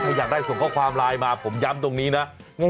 ถ้าอยากได้ส่งข้อความไลน์มาผมย้ำตรงนี้นะ